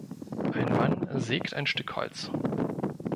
Ein Mann sägt ein Stück Holz.